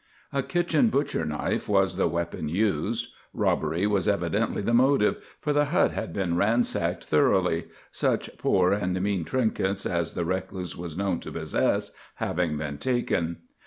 A kitchen butcher knife was the weapon used. Robbery was evidently the motive, for the hut had been ransacked thoroughly, such poor and mean trinkets as the recluse was known to possess having been taken.